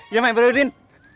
iya maik baru udin